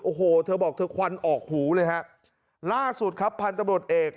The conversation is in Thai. โอ้โหเธอบอกเธอควันออกหูเลยฮะล่าสุดครับพันธบรวจเอก